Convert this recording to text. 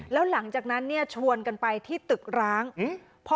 แล้วหลังจากนั้นเนี่ยชวนกันไปที่ตึกร้างอืม